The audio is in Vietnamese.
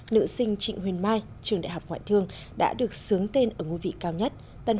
nữ sinh trịnh huỳnh mai trường đại học ngoại thương đã được sướng tên ở ngôi vị cao nhất